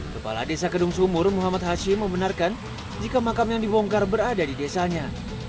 kepala desa kedung sumur muhammad hashim membenarkan jika makam yang dibongkar berada di desanya